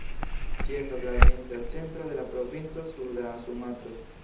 Ĝi estas la administra centro de la provinco Suda Sumatro.